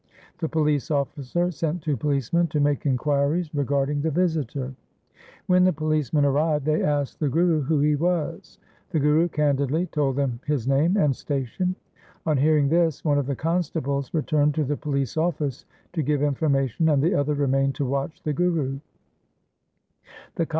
The police officer sent two policemen to make inquiries regarding the visitor. When the policemen arrived, they asked the Guru who he was. The Guru candidly told them his name and station. On hearing this one of the constables returned to the police office to give information and the other remained to watch the Guru.